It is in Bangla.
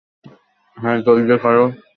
হ্যাঁ, জলদি কর।